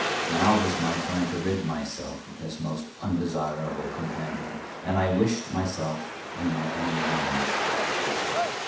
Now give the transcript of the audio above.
Now was my time to rid myself of this most undesirable companion, and I wished myself in my own room.